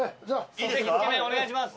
是非つけ麺お願いします。